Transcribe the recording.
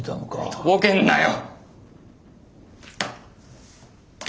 とぼけんなよ！